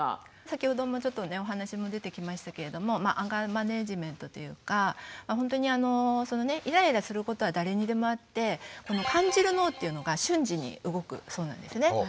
先ほどもちょっとねお話も出てきましたけれどもアンガーマネジメントというかほんとにあのイライラすることは誰にでもあって感じる脳というのが瞬時に動くそうなんですね。